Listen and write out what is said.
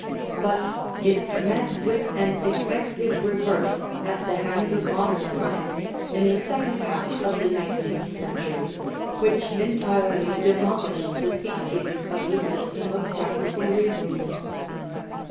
But it met with an effective reverse at the hands of modern science in the second half of the nineteenth century, which entirely demolished the theses of the system of practical reason.